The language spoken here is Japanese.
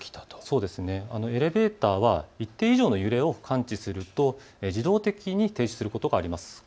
エレベーターは一定以上の揺れを感知すると自動的に停止することがあります。